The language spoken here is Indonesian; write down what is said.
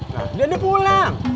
nah dia udah pulang